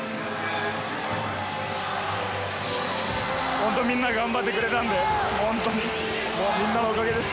本当みんな頑張ってくれたんで、もう本当にみんなのおかげです。